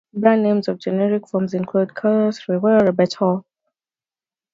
Brand names of generic forms include Copegus, Ribasphere, Rebetol.